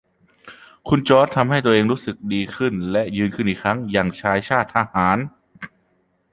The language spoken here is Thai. คุณจอร์จทำให้ตัวเองรู้สึกดีขึ้นและยืนขึิ้นอีกครั้งอย่างชายชาติทหาร